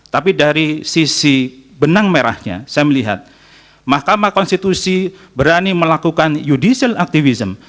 tapi dari sisi benang merahnya saya melihat mahkamah konstitusi berani melakukan judicial activism